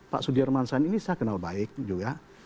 pak sudirman said ini saya kenal baik juga